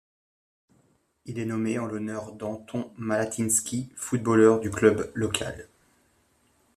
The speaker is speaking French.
Il est nommé en l'honneur d'Anton Malatinský, footballeur du club local.